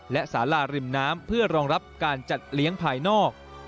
และสาราริมน้ำเพื่อรองรับการจัดเลี้ยงภายนอก